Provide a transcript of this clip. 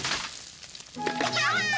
やったー！